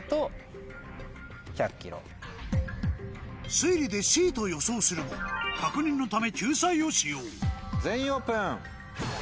推理でＣと予想するも確認のため救済を使用全員オープン。